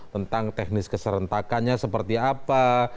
tentang teknis keserentakannya seperti apa